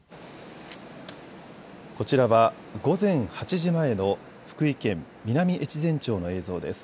こちらは午前８時前の福井県南越前町の映像です。